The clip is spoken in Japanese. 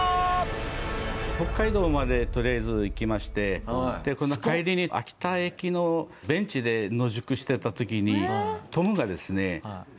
北海道までとりあえず行きましてこの帰りに秋田駅のベンチで野宿してた時にトムがですね